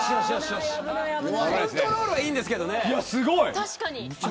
コントロールはいいんですけどね。